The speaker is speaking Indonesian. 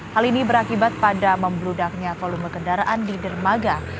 hal ini berakibat pada membludaknya volume kendaraan di dermaga